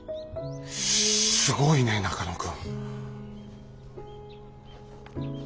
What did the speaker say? すごいね中野君。